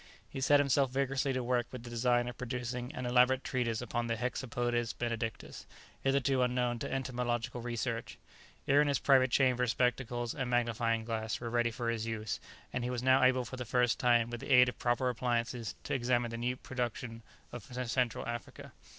He set himself vigorously to work with the design of producing an elaborate treatise upon the "Hexapodes Benedictus" hitherto unknown to entomological research. Here in his private chamber spectacles and magnifying glass were ready for his use, and he was now able for the first time with the aid of proper appliances to examine the unique production of Central Africa.